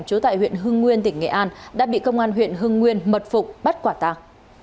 trú tại huyện hưng nguyên tỉnh nghệ an đã bị công an huyện hưng nguyên mật phục bắt quả tàng